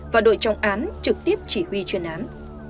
và đội trọng án trực tiếp chỉ huy chuyên án